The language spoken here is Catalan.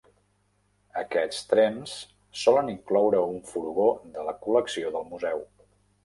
Aquests trens solen incloure un furgó de la col·lecció del museu.